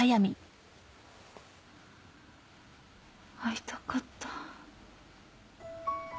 会いたかった。